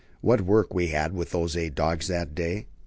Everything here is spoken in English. what work we had with those eight dogs that day!